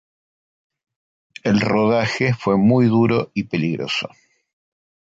El rodaje fue muy duro y peligroso.